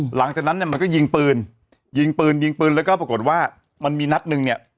หลังจากนั้นเนี่ยมันก็ยิงปืนยิงปืนยิงปืนแล้วก็ปรากฏว่ามันมีนัดหนึ่งเนี่ย